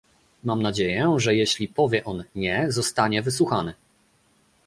Mam nadzieję, że jeśli powie on "nie", zostanie wysłuchany